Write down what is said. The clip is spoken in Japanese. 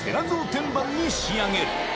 天板に仕上げる！